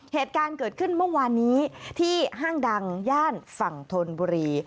เหตุการณ์เกิดขึ้นเมื่อวานนี้ที่ห้างดังย่านฝั่งธนบุรี